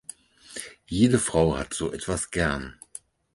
Jede Frau hat so etwas gern!